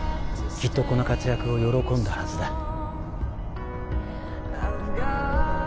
きっとこの活躍を喜んだはずだ